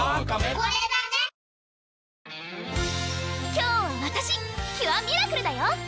今日はわたしキュアミラクルだよ！